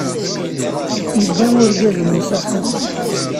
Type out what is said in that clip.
Idda urgaz-nni s axxam.